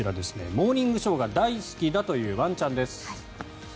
「モーニングショー」が大好きだというワンちゃんです。